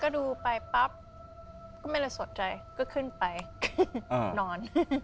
ก็ดูไปปั๊บก็ไม่ได้สนใจก็ขึ้นไปนอน